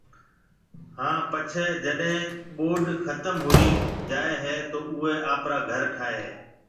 ھان پڇيَ جڏَي ٻوڏ ختم ھوئيَ جائيَ ھيََََ تو او آپرا گھر ٺائيَ ھيََََ